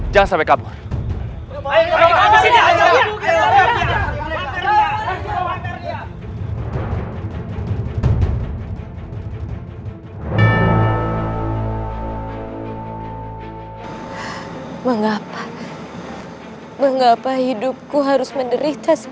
jangan sampai kabur